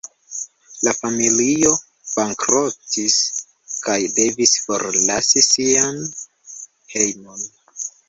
La familio bankrotis kaj devis forlasi sian hejmon.